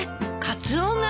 カツオが？